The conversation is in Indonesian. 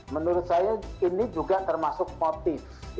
menurut saya ini juga termasuk motif